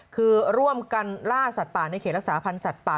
คือร่วมกันล่าสัตว์ป่าในเขตรักษาพันธ์สัตว์ป่า